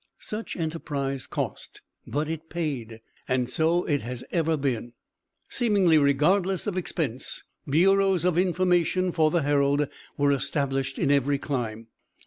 Such enterprise cost, but it paid; and so it has ever been. Seemingly regardless of expense, bureaus of information for the Herald were established in every clime.